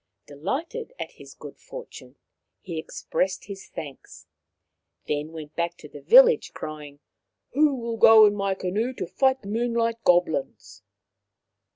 Delighted at his good fortune, he expressed his thanks, then went back to the village, crying: " Who will go in my canoe to fight the Moonlight Goblins